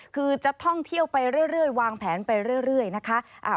คือจะท่องเที่ยวไปเรื่อยวางแผนไปเรื่อยนะคะ